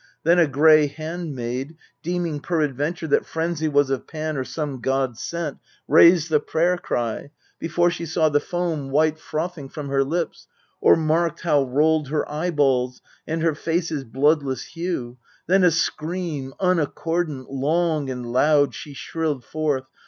Then a gray handmaid, deeming perad venture That frenzy was of Pan or some god sent, Raised the prayer cry, before she saw the foam White frothing from her lips, or marked how rolled Her eyeballs, and her face's bloodless hue. Then a scream, unaccordant, long and loud, She shrilled forth.